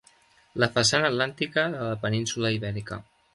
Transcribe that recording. La façana atlàntica de la Península Ibèrica.